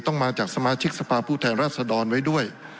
ต้องมาจากสมาชิกสภาพผู้แทนรัศดรไว้ด้วย